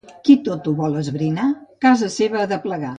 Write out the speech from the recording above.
Qui tot ho vol esbrinar, casa seva ha de plegar.